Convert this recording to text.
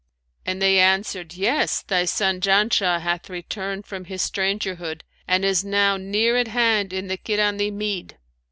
and they answered, 'Yes, thy son Janshah hath returned from his strangerhood and is now near at hand in the Kirαnν mead.'